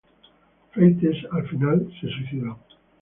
Freites, al final, se suicidó.